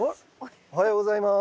おはようございます。